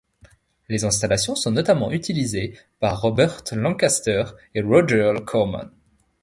Les installations sont notamment utilisées par Burt Lancaster et Roger Corman.